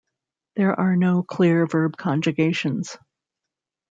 There are no clear verb conjugations.